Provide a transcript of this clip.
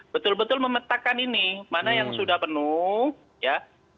betul betul memetakkan ini mana yang sudah penuh